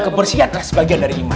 kepersihan lah sebagian dari iman